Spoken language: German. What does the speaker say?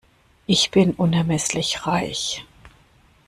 Ich bin unermesslich reich.